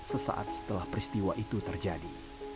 sesaat setelah peristiwa itu terjadi